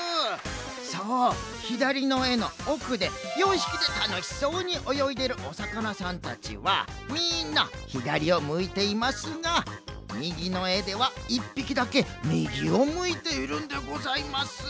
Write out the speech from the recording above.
そうひだりのえのおくで４ひきでたのしそうにおよいでるおさかなさんたちはみんなひだりをむいていますがみぎのえでは１ぴきだけみぎをむいているんでございます。